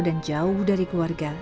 dan jauh dari keluarga